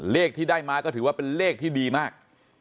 เลขที่ได้มาก็ถือว่าเป็นเลขที่ดีมาก